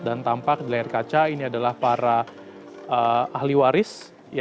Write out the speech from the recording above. dan tampak di layar kaca ini adalah para ahli waris